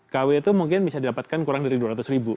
kw itu mungkin bisa didapatkan kurang dari dua ratus ribu